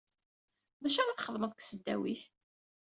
D acu ara txedmeḍ deg tesdawit?